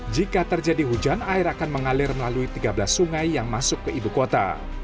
jika terjadi hujan air akan mengalir melalui tiga belas sungai yang masuk ke ibu kota